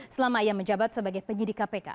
selama ia menjabat sebagai penyidik kpk